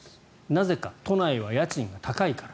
なぜか、都内は家賃が高いから。